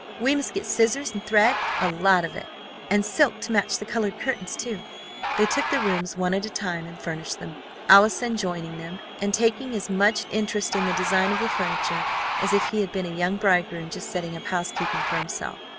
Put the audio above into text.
We must get scissors and thread, a lot of it, and silk to match the colored curtains, too." They took the rooms one at a time, and furnished them, Allison joining them, and taking as much interest in the design of the furniture as if he had been a young bridegroom just setting up housekeeping for himself.